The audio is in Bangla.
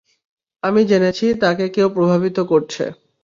আমি জেনেছি তাকে কেউ প্রভাবিত করছে।